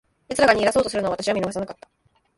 奴らが逃げ出そうとするのを、私は見逃さなかった。